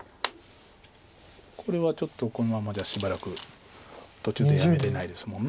これはちょっとこのままではしばらく途中でやめれないですもんね。